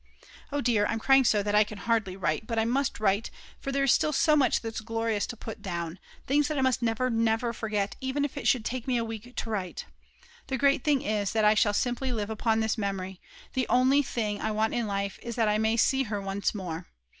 Oh dear, I'm crying so that I can hardly write, but I must write, for there is still so much that's glorious to put down, things that I must never, never forget, even if it should take me a week to write. The great thing is that I shall simply live upon this memory, and the only thing I want in life is that I may see her once more.